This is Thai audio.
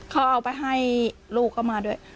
เขาเอาไปให้ลูกเขามาด้วย